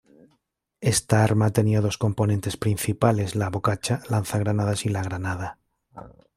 Esta arma tenía dos componentes principales, la bocacha lanzagranadas y la granada.